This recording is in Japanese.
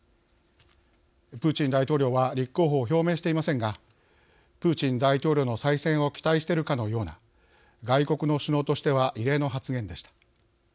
プーチン大統領は立候補を表明していませんがプーチン大統領の再選を期待しているかのような外国の首脳としては異例の発言でした。